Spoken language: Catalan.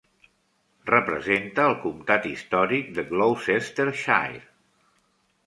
Representa el comtat històric de Gloucestershire.